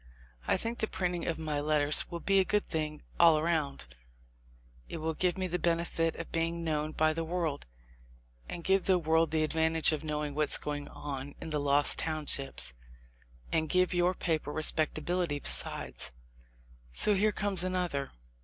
I think the printing of my letters will be a good thing all around — it will give me the benefit of being known by the world, and give the world the advantage of knowing what's going on in the Lost Townships, and give your paper respectability besides. So here comes another.